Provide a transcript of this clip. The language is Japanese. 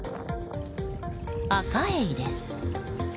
アカエイです。